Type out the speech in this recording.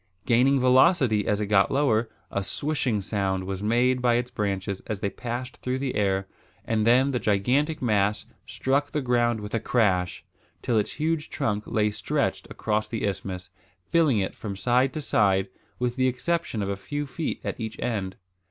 Gaining velocity as it got lower, a swishing sound was made by its branches as they passed through the air; and then the gigantic mass struck the ground with a crash, till its huge trunk lay stretched across the isthmus, filling it from side to side, with the exception of a few feet at each end.